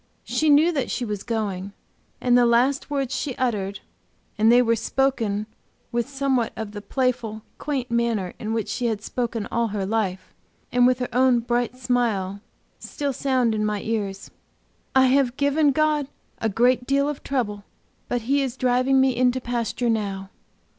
She knew that she was going, and the last words she uttered and they were spoken with somewhat of the playful, quaint manner in which she had spoken all her life, and with her own bright smile still sound in my ears: "I have given God a great deal of trouble, but He is driving me into pasture now!"